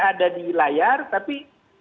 ada di layar tapi